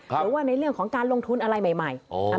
หรือว่าในเรื่องของการลงทุนอะไรใหม่